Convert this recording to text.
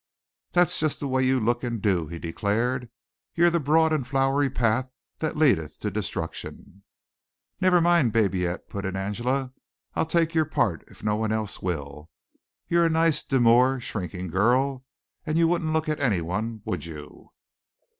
"That's just the way you look and do," he declared. "You're the broad and flowery path that leadeth to destruction." "Never mind, Babyette," put in Angela, "I'll take your part if no one else will. You're a nice, demure, shrinking girl and you wouldn't look at anyone, would you?"